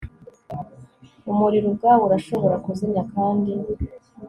Umuriro ubwawo urashobora kuzimya kandi